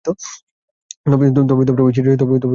তবে ঐ সিরিজে তাকে খেলানো হয়নি।